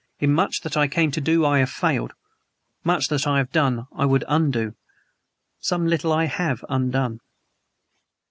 In much that I came to do I have failed. Much that I have done I would undo; some little I have undone.